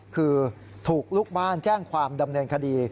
คือถูกลูกบ้านแจ้งความดำเนินคดี